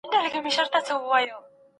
د جنت اوسیدونکي به تل خوشحاله وي.